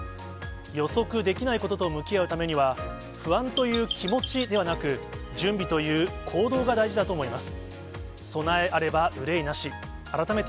予測できないことと向き合うためには、不安という気持ちではなく、準備という行動が大事だと思います。